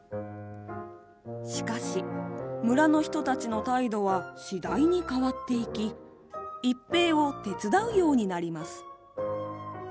しかし、村の人たちの態度は次第に変わっていき一平を手伝うようになります。